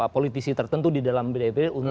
politisi tertentu di dalam bdip